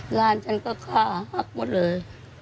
หลานฉันก็ฆาตมาเลย